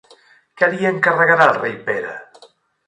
Què li encarregà el rei Pere?